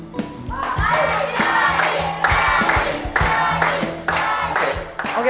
ayo jari jari jari